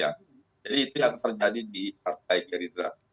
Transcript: jadi itu yang terjadi di partai geridra